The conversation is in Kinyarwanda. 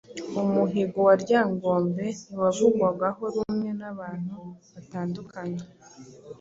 Umuhigo wa Ryangombe ntiwavugwagaho rumwe n’abantu batandukanye.